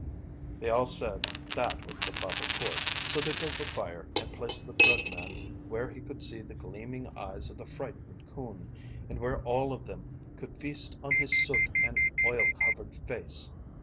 They all said that was the proper course, so they built a fire, and placed the Thread Man where he could see the gleaming eyes of the frightened coon, and where all of them could feast on his soot and oil covered face.